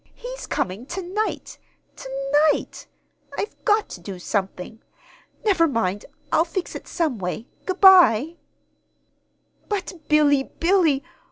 He's coming to night. To night! And I've got to do something. Never mind. I'll fix it some way. Good by!" "But, Billy, Billy!